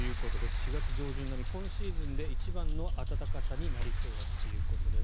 ４月上旬並み今シーズンで一番の暖かさになりそうだということです。